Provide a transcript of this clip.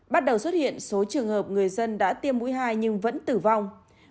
bắt đầu xuất hiện số trường hợp người dân đã tiêm mũi hai nhưng vẫn tử vong